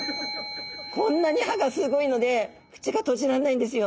こんなに歯がすごいので口が閉じらんないんですよ。